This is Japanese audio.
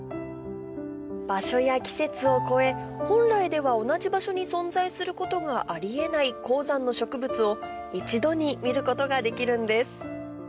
場所や季節を越え本来では同じ場所に存在することがあり得ない高山の植物を一度に見ることができるんです